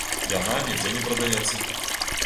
Яна нідзе не прадаецца.